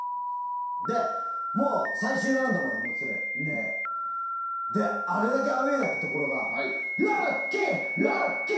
で、最終ラウンドまでもつれてあれだけアウェーだったところがロッキー！